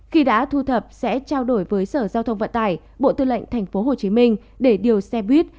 khi đã thu thập sẽ trao đổi với sở giao thông vận tải bộ tư lệnh tp hcm để điều xe buýt